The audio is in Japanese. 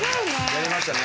やりましたね。